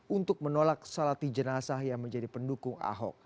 untuk menolak salati jenazah yang menjadi pendukung ahok